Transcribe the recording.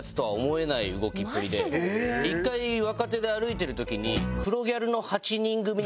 一回若手で歩いてる時に。